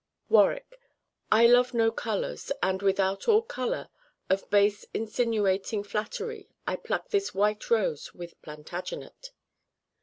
Warwick. I love no colors; and, without all color Of base insinuating flattery, I pluck this white rose with Plantagenet.